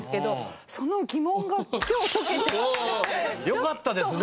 よかったですね。